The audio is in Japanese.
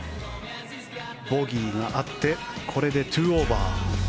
ボギーがあってこれで２オーバー。